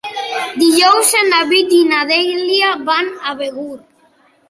Dijous en David i na Dèlia van a Begur.